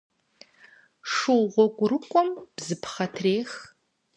Шу гъуэгурыкӏуэм бзыпхъэ трех.